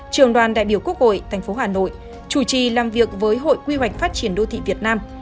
trường đoàn đại biểu quốc hội tp hà nội chủ trì làm việc với hội quy hoạch phát triển đô thị việt nam